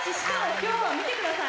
今日は見てください！